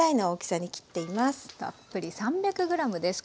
たっぷり３００ｇです。